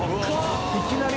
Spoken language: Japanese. いきなり。